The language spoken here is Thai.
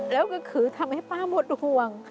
แล้วก็คือทำให้ป้าหมดห่วง